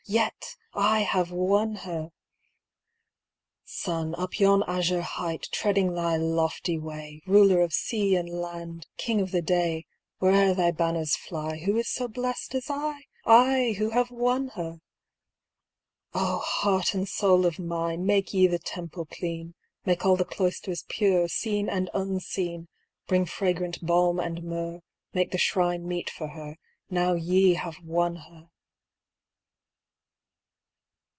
Yet — I have won her ! Sun, up yon azure height Treading thy lofty way, Ruler of sea and land, King of the Day — Where'er thy banners fly, Who is so blest as I ? I — who have won her ! Oh, heart and soul of mine. Make ye the temple clean, Make all the cloisters pure Seen and unseen ! Bring fragrant balm and myrrh, Make the shrine meet for her, Now ye have won her